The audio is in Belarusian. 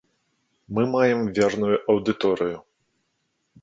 Мы маем верную аўдыторыю.